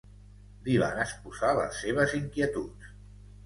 Li van esposar les seves inquietuds.